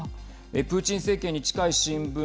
プーチン政権に近い新聞